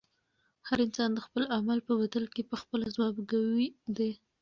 هر انسان د خپل عمل په بدل کې پخپله ځوابګوی دی.